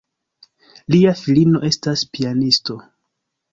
Lia filino estas pianisto.